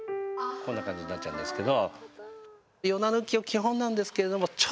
こんな感じになっちゃうんですけど。